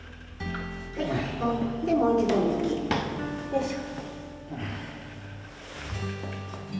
でもう一度右よいしょ。